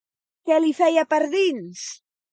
Què li feia per dins?